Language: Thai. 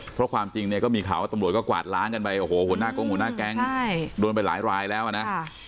เพราะความจริงเนี่ยก็มีข่าวว่าตำรวจก็กวาดล้างกันไปโอ้โหหัวหน้ากงหัวหน้าแก๊งโดนไปหลายรายแล้วอ่ะนะ